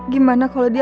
gimana kalau dia